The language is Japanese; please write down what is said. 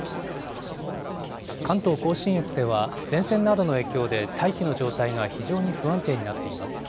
関東甲信越では、前線などの影響で大気の状態が非常に不安定になっています。